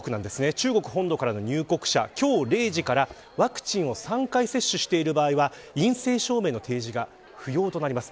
中国本土からの入国者今日０時から、ワクチンを３回接種している場合は陰性証明の提示が不要となります。